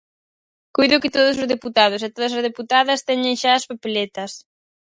Coido que todos os deputados e todas as deputadas teñen xa as papeletas.